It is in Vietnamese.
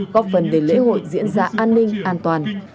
góp phần để lễ hội diễn ra an ninh an toàn